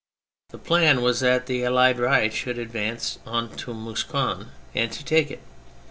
The plan was that the Allied right should advance on to Mous cron and take it.